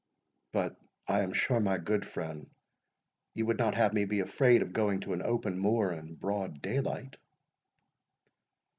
"But I am sure, my good friend, you would not have me be afraid of going to an open moor in broad daylight?"